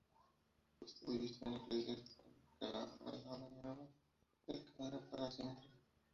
Esta división eclesiástica marcará a Aldeanueva del Camino para siempre.